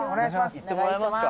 「行ってもらえますか」